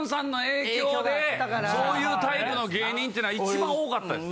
そういうタイプの芸人ってのは一番多かったです。